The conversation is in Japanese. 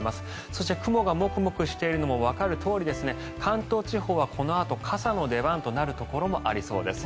そして雲がモクモクしているのもわかるとおり関東地方はこのあと傘の出番となるところもありそうです。